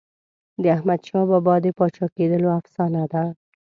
د احمدشاه بابا د پاچا کېدلو افسانه ده.